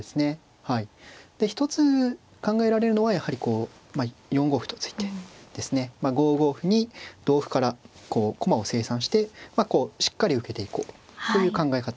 で一つ考えられるのはやはりこう４五歩と突いてですね５五歩に同歩から駒を清算してこうしっかり受けていこうという考え方。